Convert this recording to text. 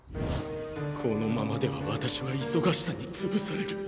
このままでは私は忙しさに潰される。